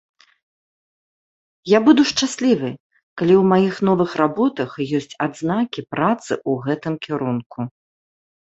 Я буду шчаслівы, калі ў маіх новых работах ёсць адзнакі працы ў гэтым кірунку.